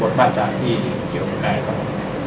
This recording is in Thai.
พวกกฎหมายตามที่เกี่ยวกับการรักษาผิด